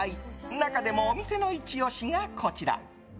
中でも、お店のイチ押しがこちら。